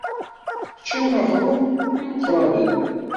Ččan aɣrum n imeqqranen.